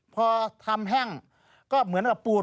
พอทำแห้งก็เหมือนกับปูน